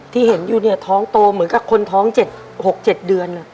ที่เห็นอยู่เนี่ยท้องโตเหมือนกับคนท้อง๗๖๗เดือน